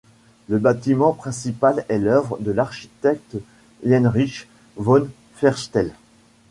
Le bâtiment principal est l'œuvre de l'architecte Heinrich von Ferstel.